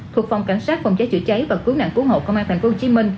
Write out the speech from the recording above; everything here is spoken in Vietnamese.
thuộc phòng cảnh sát phòng cháy chữa cháy và cứu nạn cứu hộ công an tp hcm